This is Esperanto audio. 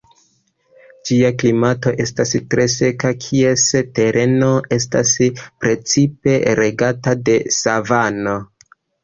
Ĝia klimato estas tre seka, kies tereno estas precipe regata de savano.